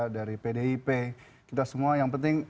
dari pdip kita semua yang penting